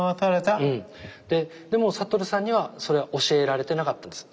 でも覚さんにはそれは教えられてなかったんです。